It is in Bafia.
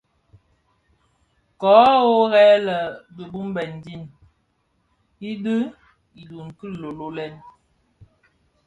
Köö worrè lè, di bubmèn din didhi idun ki lölölen.